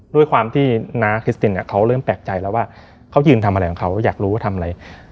ด้วยความที่น้าคริสตินเขาเริ่มแปลกใจแล้วว่าเขายืนทำอะไรของเขาอยากรู้ว่าทำอะไร